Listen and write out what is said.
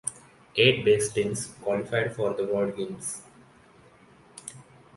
Eight best teams qualified for the World Games.